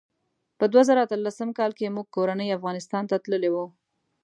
په دوه زره اتلسم کال کې موږ کورنۍ افغانستان ته تللي وو.